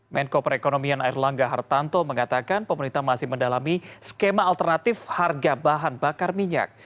menko perekonomian air langga hartanto mengatakan pemerintah masih mendalami skema alternatif harga bahan bakar minyak